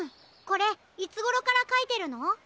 これいつごろからかいてるの？